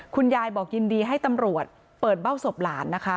คุณยายบอกยินดีให้ตำรวจเปิดเบ้าศพหลานนะคะ